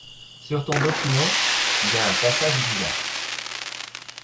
Sur ton document, y’a un passage bizarre. ..